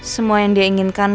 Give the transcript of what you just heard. semua yang dia inginkan